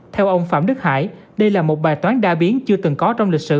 theo ông phạm đức hải đây là một bài toán đa biến chưa từng có trong lịch sử